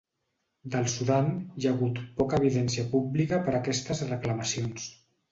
Del Sudan hi ha hagut poca evidència pública per aquestes reclamacions.